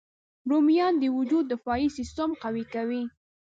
رومیان د وجود دفاعي سیسټم قوي کوي